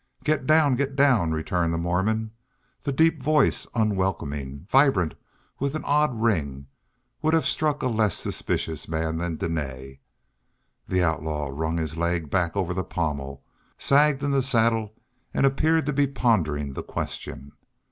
"Get down, get down," returned the Mormon. The deep voice, unwelcoming, vibrant with an odd ring, would have struck a less suspicious man than Dene. The outlaw wrung his leg back over the pommel, sagged in the saddle, and appeared to be pondering the question.